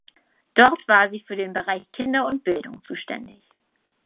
Dort war sie für den Bereich Kinder und Bildung zuständig.